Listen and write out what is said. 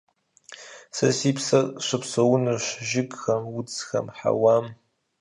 Сэ си псэр щыпсэунцущ жыгхэм, удзхэм, хьэуам.